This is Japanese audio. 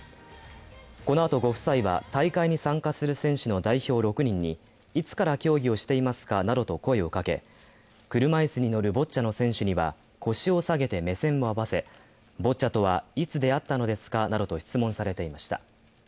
このあと、ご夫妻は大会に参加する選手の代表６人にいつから競技をしていますかなどと声をかけ、車椅子に乗るボッチャの選手には腰を下げて目さんを合わせボッチャとはいつ出会ったのですかなどと質問されていました。